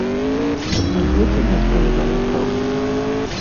Аднак гэта не адпавядае праўдзе.